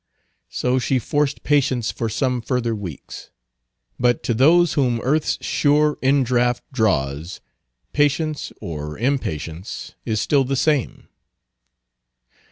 So she forced patience for some further weeks. But to those whom earth's sure indraft draws, patience or impatience is still the same.